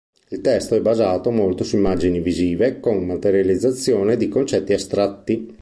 Il testo è basato molto su immagini visive, con materializzazione di concetti astratti.